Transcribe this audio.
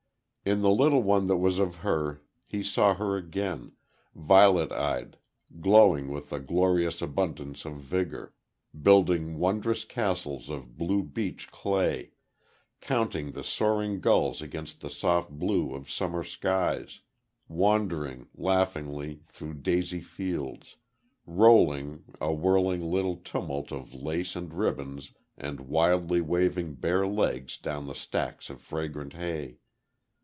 In the little one that was of her, he saw her again, violet eyed, glowing with the glorious abundance of vigor, building wondrous castles of blue beach clay, counting the soaring gulls against the soft blue of summer skies, wandering, laughingly, through daisy fields, rolling, a whirling little tumult of lace and ribbons and wildly waving bare legs down the stacks of fragrant hay.